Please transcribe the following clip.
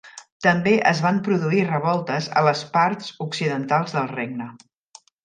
També es van produir revoltes a les parts occidentals del Regne.